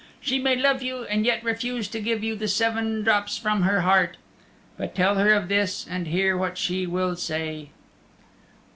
She may love you and yet refuse to give you the seven drops from her heart. But tell her of this, and hear what she will say."